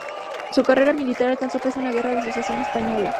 Su carrera militar alcanzó peso en la Guerra de Sucesión Española.